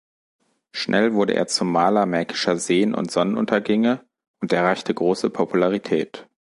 Schnell wurde er zum „Maler märkischer Seen und Sonnenuntergänge“ und erreichte große Popularität.